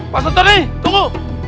pak sultoni tunggu